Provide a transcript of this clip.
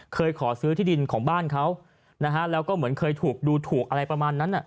ขอซื้อที่ดินของบ้านเขานะฮะแล้วก็เหมือนเคยถูกดูถูกอะไรประมาณนั้น